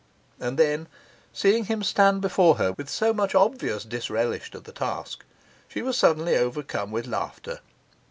And then, seeing him stand before her with so much obvious disrelish to the task, she was suddenly overcome with laughter.